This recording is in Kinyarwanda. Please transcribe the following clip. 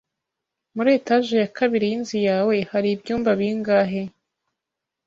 Muri etaje ya kabiri yinzu yawe hari ibyumba bingahe?